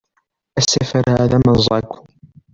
Asafar-a d amerẓagu.